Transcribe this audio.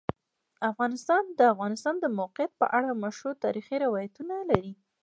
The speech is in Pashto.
افغانستان د د افغانستان د موقعیت په اړه مشهور تاریخی روایتونه لري.